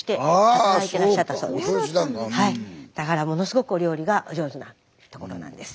だからものすごくお料理がお上手なところなんです。